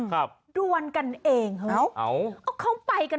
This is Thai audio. ครับดวนกันเองฮะเอาเขาไปกัน